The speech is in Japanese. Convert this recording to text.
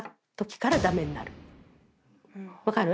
分かる？